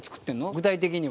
具体的には。